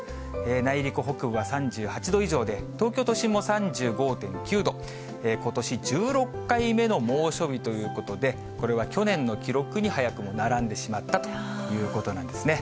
内陸北部は３８度以上で、東京都心も３５．９度、ことし１６回目の猛暑日ということで、これは去年の記録に早くも並んでしまったということなんですね。